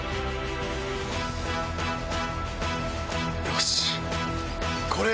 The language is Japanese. よし！